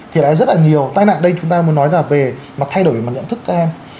thì nói rất là nhiều tai nạn đây chúng ta muốn nói là về mặt thay đổi về mặt nhận thức các em